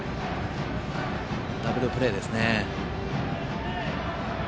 ダブルプレーですね。